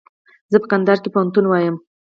زه په کندهار کښي پوهنتون وایم.